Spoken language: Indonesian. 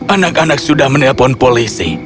anak anak sudah menelpon polisi